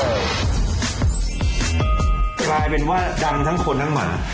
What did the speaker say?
กลายเป็นว่าดังทั้งคนทั้งหมา